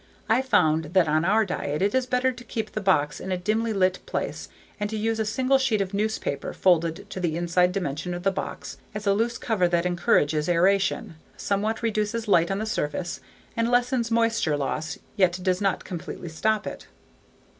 I've found that on our diet it is better to keep the box in a dimly lit place and to use a single sheet of newspaper folded to the inside dimensions of the box as a loose cover that encourages aeration, somewhat reduces light on the surface, and lessens moisture loss yet does not completely stop it.